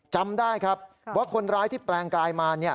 จำได้ครับว่าคนร้ายที่แปลงกลายมา